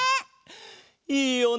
いいよな。